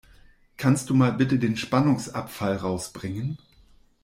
Kannst du mal bitte den Spannungsabfall rausbringen?